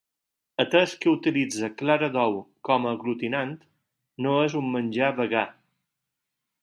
Atès que utilitza clara d'ou com a aglutinant, no és un menjar vegà.